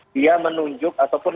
dia menunjuk ataupun